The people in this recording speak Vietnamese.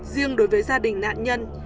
riêng đối với gia đình nạn nhân